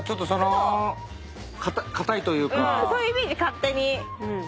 そういうイメージ勝手に。